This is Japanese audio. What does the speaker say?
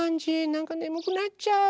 なんかねむくなっちゃう。